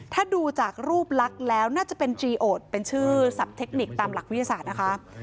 ถ้าดูจากรูปลักษณ์แล้วน่าจะเป็นจีโอดเป็นชื่อสับเทคนิคตามหลักวิทยาศาสตร์นะคะ